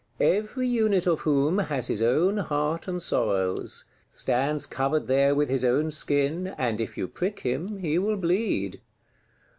Every unit of whom has his own heart and sorrows; stands covered there with his own skin, and if you prick him he will bleed.